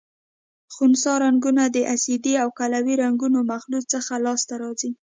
خنثی رنګونه د اسیدي او قلوي رنګونو مخلوط څخه لاس ته راځي.